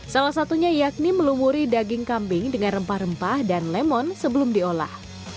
salah satunya yakni melumuri daging kambing dengan rempah rempah dan lemon sebelum diolah